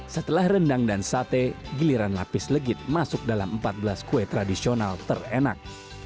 setelah rendang dan sate giliran lapis legit masuk dalam empat belas kue tradisional terenak